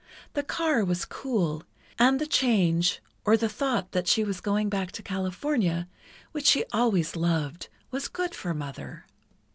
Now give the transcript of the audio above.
The car was cool, and the change, or the thought that she was going back to California, which she always loved, was good for Mother.